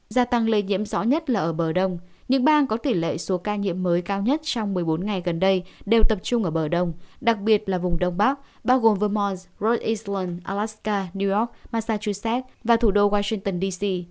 giả tăng lây nhiễm rõ nhất là ở bờ đông những bang có tỷ lệ số ca nhiễm mới cao nhất trong một mươi bốn ngày gần đây đều tập trung ở bờ đông đặc biệt là vùng đông bắc bao gồm vermont rhode island alaska new york massachusetts và thủ đô washington d c